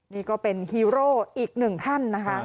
นี่ก็เป็นฮีโร่อีกหนึ่งท่านนะคะ